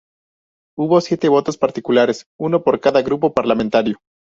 Hubo siete votos particulares, uno por cada grupo parlamentario.